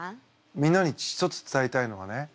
みんなに一つ伝えたいのはね